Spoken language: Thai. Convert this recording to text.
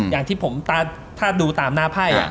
อย่างที่ผมถ้าดูตามหน้าไพ่